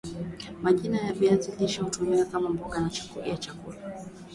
majani ya viazi lishe hutumika kama mboga ya chakula